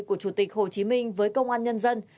của chủ tịch hồ chí minh với công an nhân dân